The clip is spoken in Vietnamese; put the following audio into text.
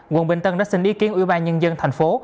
quận bình tân đã xin ý kiến ủy ban nhân dân thành phố